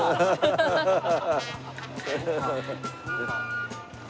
ハハハハ。